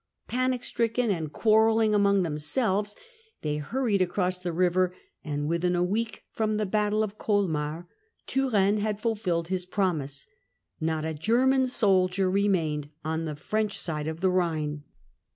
Panic stricken, and quarrelling among themselves, they hurried across the river, and within a week from the battle of Colmar Turenne had fulfilled his promise. Not a German soldier remained on the French side of the Rhine.